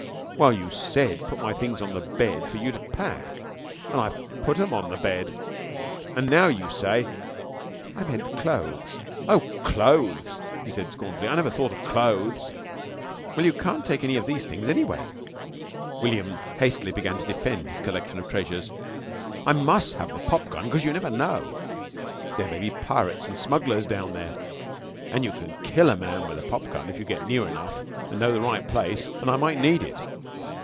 "Well, you said put my things on the bed for you to pack an' I've put them on the bed, an' now you say " "I meant clothes." "Oh, clothes!" scornfully. "I never thought of clothes." "Well, you can't take any of these things, anyway." William hastily began to defend his collection of treasures. "I mus' have the pop gun 'cause you never know. There may be pirates an' smugglers down there, an' you can kill a man with a pop gun if you get near enough and know the right place, an' I might need it.